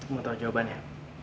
mau tau jawabannya